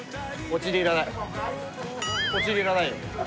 お釣りいらないよ。